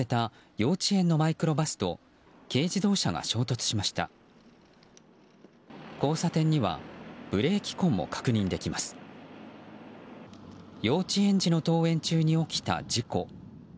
幼稚園児の登園中に起きた事故。